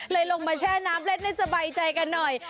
ลงมาแช่น้ำเล่นให้สบายใจกันหน่อย